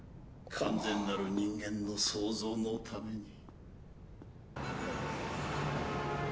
完全なる人間の創造のために。